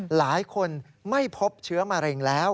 หลายคนไม่พบเชื้อมะเร็งแล้ว